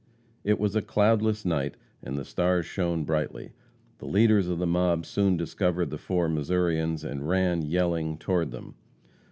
It was a cloudless night and the stars shone brightly. The leaders of the mob soon discovered the four Missourians, and ran, yelling, toward them.